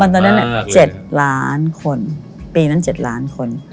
ตอนนั้น๗ล้านคน